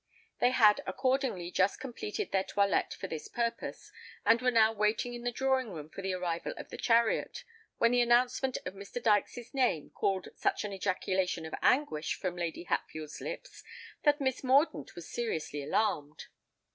They had accordingly just completed their toilette for the purpose, and were now waiting in the drawing room for the arrival of the chariot, when the announcement of Mr. Dykes's name called such an ejaculation of anguish from Lady Hatfield's lips, that Miss Mordaunt was seriously alarmed.